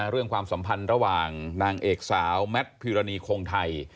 ความสัมพันธ์ระหว่างนางเอกสาวแมทพิรณีคงไทย